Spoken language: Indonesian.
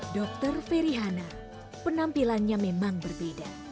dokter ferihana penampilannya memang berbeda